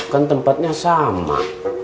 kan tempatnya sama